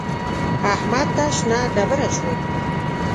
احمد ته شنه ډبره شوم.